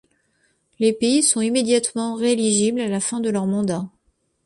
Les pays sont immédiatement rééligibles à la fin de leur mandat.